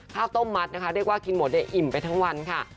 ข้าวต้มมัดนะคะเรียกว่ากินหมดได้อิ่มไปทั้งวันค่ะ